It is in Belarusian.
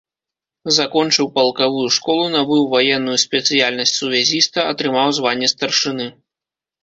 Закончыў палкавую школу, набыў ваенную спецыяльнасць сувязіста, атрымаў званне старшыны.